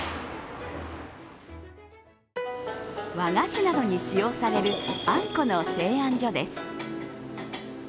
和菓子などに使用されるあんこの製あん所です。